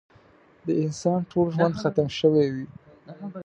د انسان ټول ژوند ختم شوی وي.